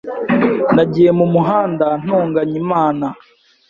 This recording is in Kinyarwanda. nagiye mu muhanda ntonganya Imana